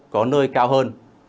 có nơi cao hơn